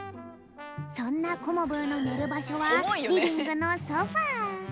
そんなコモブーのねるばしょはリビングのソファー。